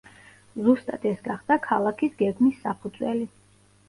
ზუსტად ეს გახდა ქალაქის გეგმის საფუძველი.